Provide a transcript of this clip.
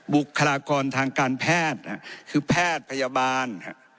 บุคลากรทางการแพทย์คือแพทย์พยาบาล